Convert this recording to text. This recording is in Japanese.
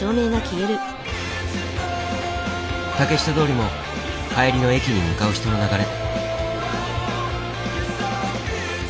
竹下通りも帰りの駅に向かう人の流れ。